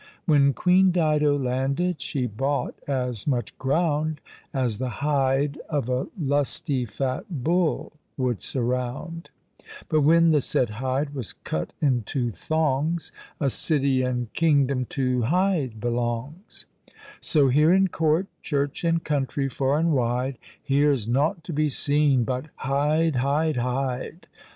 When Queen Dido landed she bought as much ground As the Hyde of a lusty fat bull would surround; But when the said Hyde was cut into thongs, A city and kingdom to Hyde belongs; So here in court, church, and country, far and wide, Here's nought to be seen but _Hyde! Hyde! Hyde!